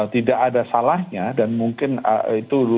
tidak ada salahnya dan mungkin itu lebih baik